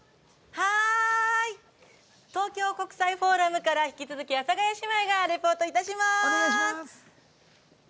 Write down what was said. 東京国際フォーラムから引き続き阿佐ヶ谷姉妹がリポートいたします。